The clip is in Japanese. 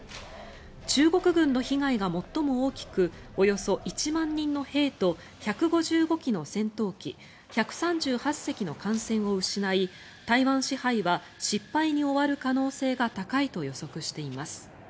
中国軍の被害が最も大きくおよそ１万人の兵と１５５機の戦闘機１３８隻の艦船を失い台湾支配は失敗に終わる可能性が高いと予測しています。